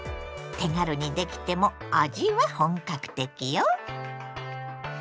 手軽にできても味は本格的よ。